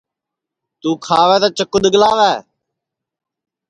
توں کھاوے تو چکُو دِؔگکاوے